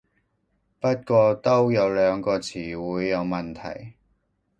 不過都有兩個詞彙有問題